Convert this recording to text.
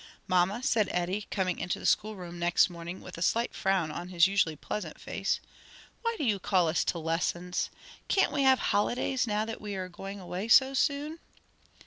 "Mamma," said Eddie, coming into the school room next morning with a slight frown on his usually pleasant face, "why do you call us to lessons? can't we have holidays now that we are going away so soon?"